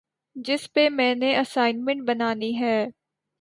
جس پہ میں نے اسائنمنٹ بنانی ہے